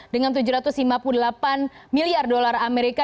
dengan tujuh ratus lima puluh delapan miliar dolar amerika